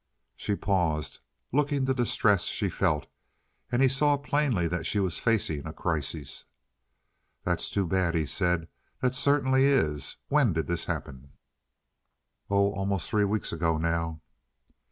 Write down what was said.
She paused, looking the distress she felt, and he saw plainly that she was facing a crisis. "That's too bad," he said. "That certainly is. When did this happen?" "Oh, almost three weeks ago now."